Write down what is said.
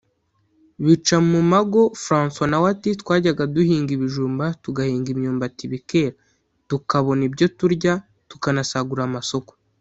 Bicamumago François nawe ati “Twajyaga duhinga ibijumba tugahinga imyumbati bikera dukabona ibyo turya tukanasagurira amasoko